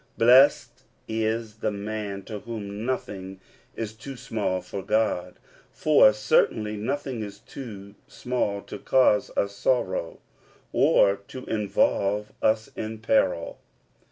Blessed is the man to whom nothing is too small for God ; for certainly nothing is too small to cause us sorrow, or to involve us in peril.